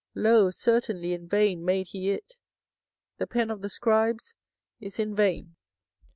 Lo, certainly in vain made he it; the pen of the scribes is in vain.